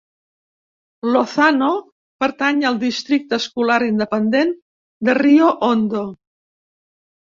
Lozano pertany al districte escolar independent de Rio Hondo.